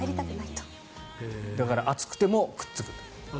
だから暑くてもくっつく。